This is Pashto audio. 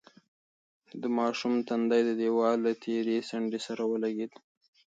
د ماشوم تندی د دېوال له تېرې څنډې سره ولگېد.